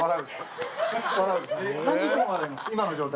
今の状態。